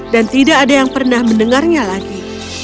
dan tidak ada yang pernah mendengarnya lagi